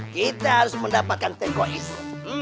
kita harus mendapatkan teko itu